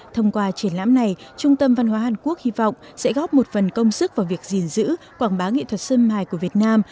thông qua triển lãm này trung tâm văn hóa hàn quốc hy vọng sẽ góp một phần công sức vào việc gìn giữ quảng bá nghị thuật sơn mài của việt nam